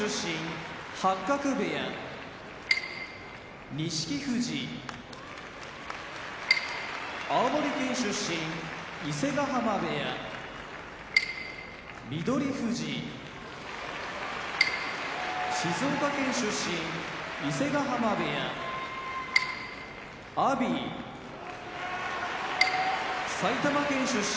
八角部屋錦富士青森県出身伊勢ヶ濱部屋翠富士静岡県出身伊勢ヶ濱部屋阿炎埼玉県出身